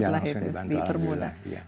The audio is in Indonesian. iya langsung dibantu alhamdulillah